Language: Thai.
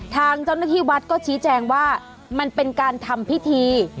ทางเจ้าหน้าที่วัดก็ชี้แจงว่ามันเป็นการทำพิธี